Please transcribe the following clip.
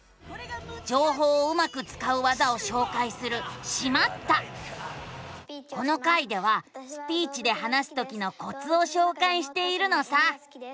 じょうほうをうまくつかう技をしょうかいするこの回ではスピーチで話すときのコツをしょうかいしているのさ。